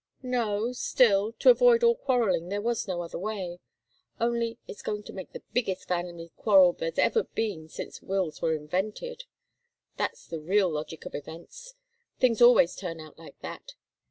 "No still to avoid all quarrelling, there was no other way. Only it's going to make the biggest family quarrel there's ever been since wills were invented. That's the real logic of events. Things always turn out like that.